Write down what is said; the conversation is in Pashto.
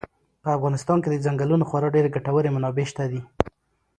په افغانستان کې د ځنګلونو خورا ډېرې ګټورې منابع شته دي.